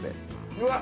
うわっ！